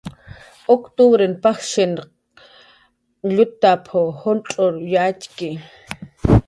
"Uctupr pajshin llutap"" juncx'ruy yatxki."